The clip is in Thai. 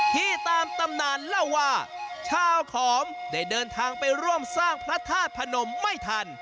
ที่ตามตำนานเล่าว่าชาวขอมได้เดินทางไปร่วมสร้างพระธาตุพนมไม่ทัน